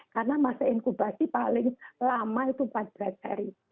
karena masa inkubasi paling lama itu empat belas hari